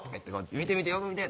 見て見てよく見て」